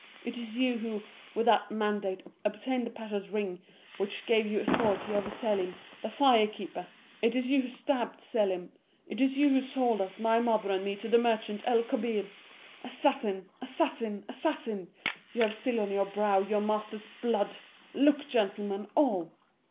It is you who, with that mandate, obtained the pasha's ring, which gave you authority over Selim, the fire keeper! It is you who stabbed Selim. It is you who sold us, my mother and me, to the merchant, El Kobbir! Assassin, assassin, assassin, you have still on your brow your master's blood! Look, gentlemen, all!